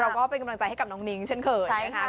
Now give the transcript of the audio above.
เราก็เป็นกำลังใจให้กับน้องนิ้งเช่นเขิน